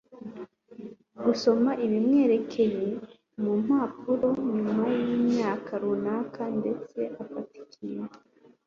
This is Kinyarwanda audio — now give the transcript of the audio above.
gusoma ibimwerekeye mu mpapuro nyuma yimyaka runaka ndetse afata ikintu